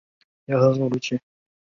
云南的白族也有凉粉。